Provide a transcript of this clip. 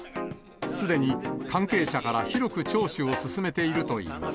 すでに関係者から広く聴取を進めているといいます。